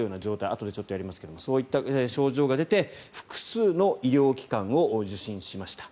あとでちょっとやりますがそういう症状が出て複数の医療機関を受診しました。